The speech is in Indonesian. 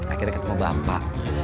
akhirnya ketemu bapak